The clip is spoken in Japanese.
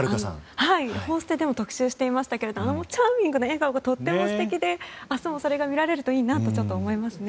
「報ステ」でも特集していましたがチャーミングな笑顔がとっても素敵で明日もそれが見られるといいなと思いますね。